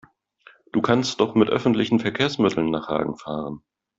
Du kannst doch mit öffentlichen Verkehrsmitteln nach Hagen fahren